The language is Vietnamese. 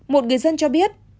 một người dân cho biết